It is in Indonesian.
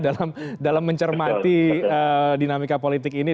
dalam mencermati dinamika politik ini